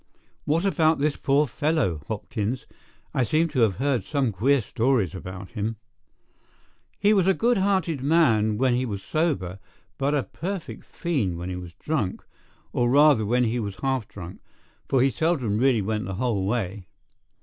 What about this poor fellow, Hopkins? I seem to have heard some queer stories about him." "He was a good hearted man when he was sober, but a perfect fiend when he was drunk, or rather when he was half drunk, for he seldom really went the whole way.